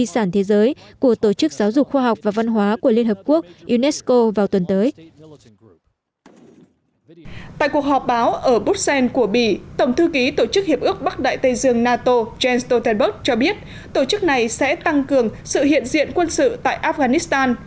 tại cuộc họp báo ở burger s end của bỉ tổng thư ký tổ chức hiệp ước bắc đại tây dương nato jane stoltenberg cho biết tổ chức này sẽ tăng cường sự hiện diện quân sự tại afghanistan